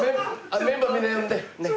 メンバーみんな呼んで。